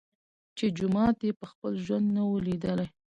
چي جومات یې په خپل ژوند نه وو لیدلی